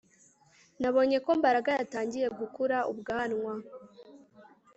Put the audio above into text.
Nabonye ko Mbaraga yatangiye gukura ubwanwa